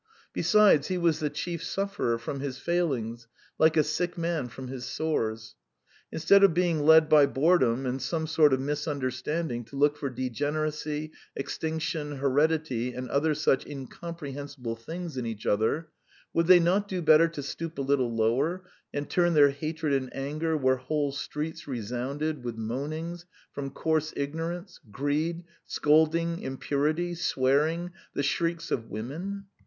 Besides, he was the chief sufferer from his failings, like a sick man from his sores. Instead of being led by boredom and some sort of misunderstanding to look for degeneracy, extinction, heredity, and other such incomprehensible things in each other, would they not do better to stoop a little lower and turn their hatred and anger where whole streets resounded with moanings from coarse ignorance, greed, scolding, impurity, swearing, the shrieks of women.